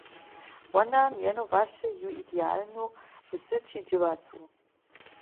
Wona mjenowaše ju idealnu w syći dźěłacu.